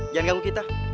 jangan ganggu kita